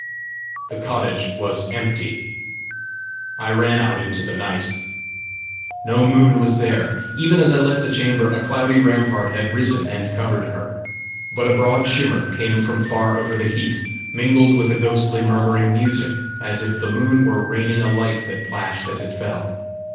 The cottage was empty. I ran out into the night. No moon was there! Even as I left the chamber, a cloudy rampart had risen and covered her. But a broad shimmer came from far over the heath, mingled with a ghostly murmuring music, as if the moon were raining a light that plashed as it fell.